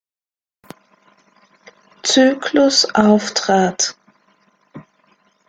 Zyklus auftrat.